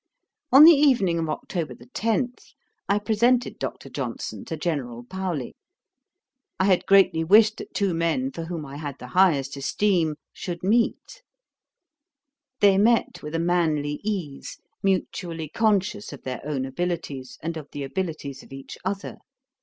On the evening of October 10, I presented Dr. Johnson to General Paoli. I had greatly wished that two men, for whom I had the highest esteem, should meet. They met with a manly ease, mutually conscious of their own abilities, and of the abilities of each other.